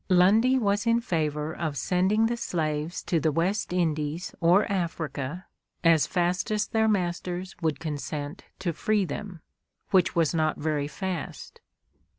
Lundy was in favor of sending the slaves to the West Indies or Africa as fast as their masters would consent to free them, which was not very fast.